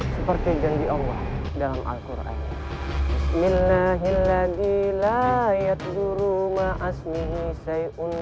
seperti janji allah dalam al quran